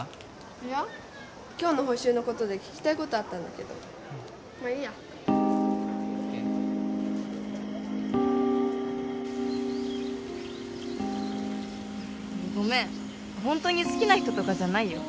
いや今日の補習のことで聞きたいことあったんだけどまあいいやごめんホントに好きな人とかじゃないよ